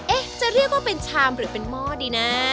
จะเรียกว่าเป็นชามหรือเป็นหม้อดีนะ